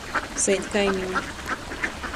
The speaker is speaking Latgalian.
Saīt kaimini.